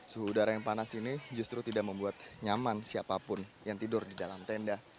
suhu udara yang panas ini justru tidak membuat nyaman siapapun yang tidur di dalam tenda